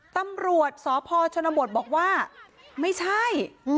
ตำรวจสพชนบทบอกว่าไม่ใช่